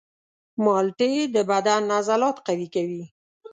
مالټې د بدن عضلات قوي کوي.